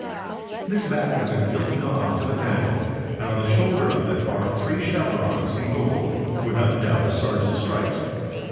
This bat has a gilt knob to the handle, and on the shoulder of it are three chevrons in gold, without doubt a sergeant's stripes.